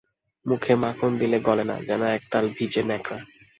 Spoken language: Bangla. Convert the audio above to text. মুখে মাখন দিলে গলে না, যেন একতাল ভিজে ন্যাকড়া।